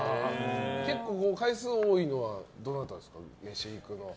結構、回数が多いのはどなたですか？